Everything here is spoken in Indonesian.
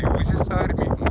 pasukan kita menjaga